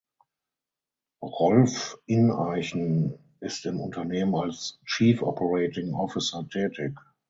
Rolf Ineichen ist im Unternehmen als Chief Operating Officer tätig.